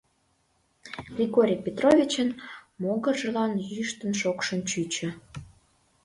Григорий Петровичын могыржылан йӱштын-шокшын чучо.